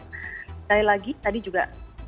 sekali lagi tadi juga